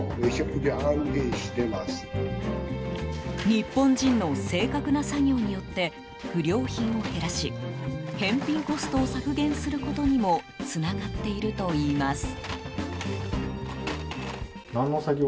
日本人の正確な作業によって不良品を減らし返品コストを削減することにもつながっているといいます。